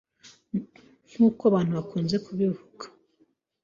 nk’uko abantu bakunze kubivuga.